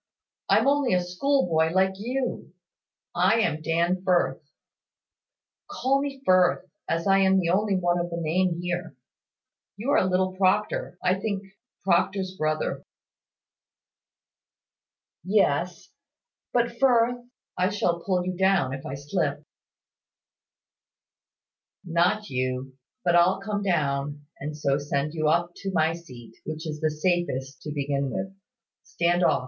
I'm only a schoolboy, like you. I am Dan Firth. Call me Firth, as I am the only one of the name here. You are little Proctor, I think Proctor's brother." "Yes: but, Firth, I shall pull you down, if I slip." "Not you: but I'll come down, and so send you up to my seat, which is the safest to begin with. Stand off."